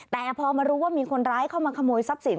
แต่พอมารู้ว่ามีคนร้ายเข้ามาขโมยทรัพย์สิน